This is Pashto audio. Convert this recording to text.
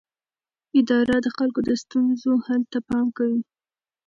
اداره د خلکو د ستونزو حل ته پام کوي.